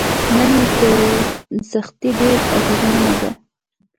نرمي تر سختۍ ډیره اغیزمنه ده.